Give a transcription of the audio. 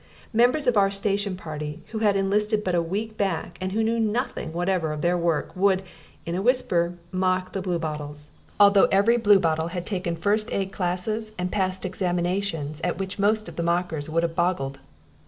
Members of our station party who had enlisted but a week back, and who knew nothing whatever of their work, would, in a whisper, mock the Bluebottles although every Bluebottle had taken first aid classes and passed examinations at which most of the mockers would have boggled.